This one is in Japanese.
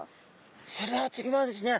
それでは次はですね